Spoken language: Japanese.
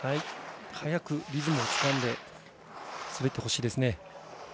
早くリズムをつかんで滑ってほしいです。